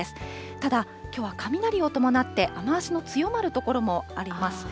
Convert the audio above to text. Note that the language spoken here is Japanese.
ただ、きょうは雷を伴って、雨足の強まる所もあります。